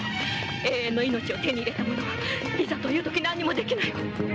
永遠の命を手に入れたものはいざという時何もできないわ。